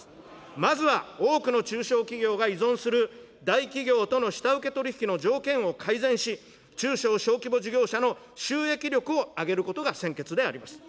まずは多くの中小企業が依存する大企業との下請け取引の条件を改善し、中小小規模事業者の収益力を上げることが先決であります。